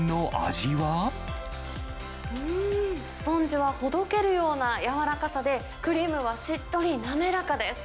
うーん、スポンジはほどけるような柔らかさで、クリームはしっとりなめらかです。